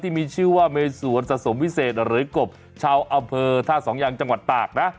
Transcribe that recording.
ที่มีชื่อว่าเมสวนสะสมวิเศษหรือกบชาวอำเภอท่าสองยังจังหวัดตากนะ